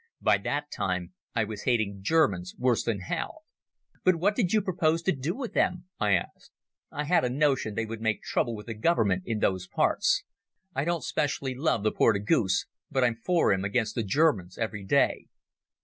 By that time I was hating Germans worse than hell." "But what did you propose to do with them?" I asked. "I had a notion they would make trouble with the Government in those parts. I don't specially love the Portugoose, but I'm for him against the Germans every day.